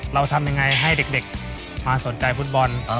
เราทำยังไงให้เด็กมาสนใจฟุตบอล